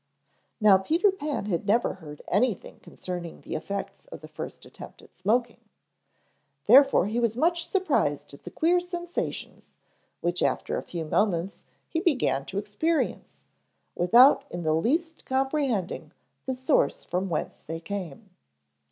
Now Peter Pan had never heard anything concerning the effects of the first attempt at smoking. Therefore he was much surprised at the queer sensations which after a few moments he began to experience, without in the least comprehending the source from whence they came.